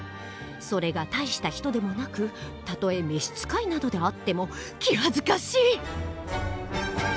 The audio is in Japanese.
それが大した人でもなくたとえ召し使いなどであっても気はずかしい」！